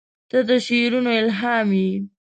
• ته د شعرونو الهام یې.